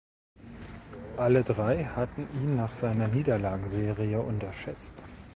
Alle drei hatten ihn nach seiner Niederlagenserie unterschätzt.